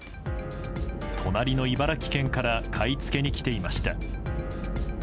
隣の茨城県から買い付けに来ていました。